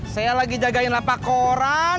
saya lagi jagain lah pak koran